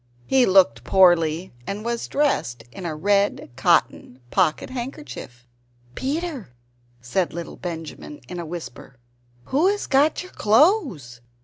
He looked poorly, and was dressed in a red cotton pocket handkerchief. "Peter," said little Benjamin, in a whisper, "who has got your clothes?"